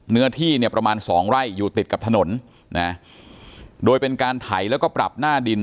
เนื้อที่เนี่ยประมาณสองไร่อยู่ติดกับถนนนะโดยเป็นการไถแล้วก็ปรับหน้าดิน